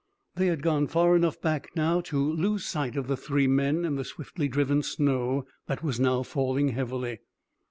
They had gone far enough back to lose sight of the three men in the swiftly driven snow that was now falling heavily.